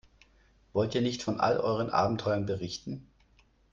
Wollt ihr nicht von all euren Abenteuern berichten?